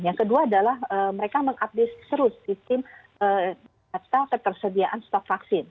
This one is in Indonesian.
yang kedua adalah mereka mengupdate terus sistem data ketersediaan stok vaksin